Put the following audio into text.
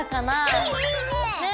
いいねいいね。ね！